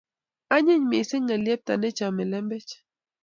Anyiny mising ng'eliepta ne chome lembech